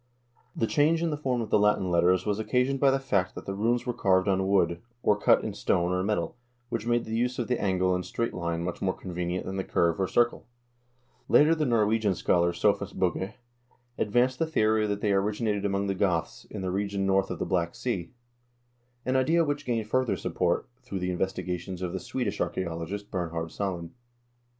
The change in the form of the Latin letters was occasioned by the fact that the runes were carved on wood, or cut in stone or metal, which made the use of the angle and straight line much more convenient than the curve or circle. Later the Norwegian scholar Sophus Bugge advanced the opinion that they originated among the Goths, in the region 1 Tacitus, Germania, ch. 44. SCANDINAVIA IN PREHISTORIC TIMES 23 north of the Black Sea,1 an idea which gained further support through the investigations of the Swedish archaeologist Bernhard Salin.